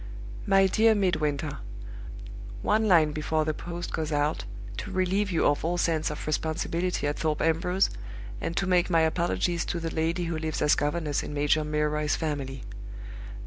"MY DEAR MIDWINTER One line before the post goes out, to relieve you of all sense of responsibility at Thorpe Ambrose, and to make my apologies to the lady who lives as governess in Major Milroy's family.